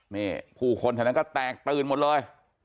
นี่ผู้คนแถวนั้นก็แตกตื่นหมดเลย